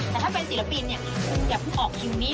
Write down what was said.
แต่ถ้าเป็นศิลปินเนี่ยคุณอย่าเพิ่งออกคิวนี้